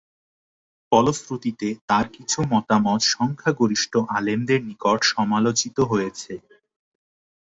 ফলশ্রুতিতে তার কিছু মতামত সংখ্যাগরিষ্ঠ আলেমদের নিকট সমালোচিত হয়েছে।